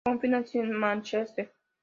Coffin nació en Mánchester.